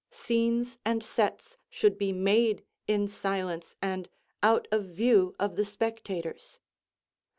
Scenes and sets should be made in silence and out of view of the spectators.